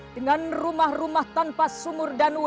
dengan rumah rumah tanpa sumur dan wadah